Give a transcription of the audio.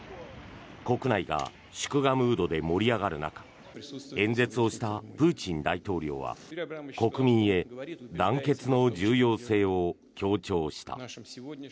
国内が祝賀ムードで盛り上がる中演説をしたプーチン大統領は国民へ団結の重要性を強調した。